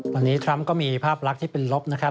วันนี้ทรัมป์ก็มีภาพลักษณ์ที่เป็นลบนะครับ